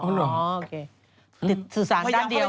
อ๋อโอเคสื่อสารด้านเดียว